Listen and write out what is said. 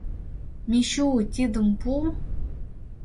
«Мичу, тидым пу!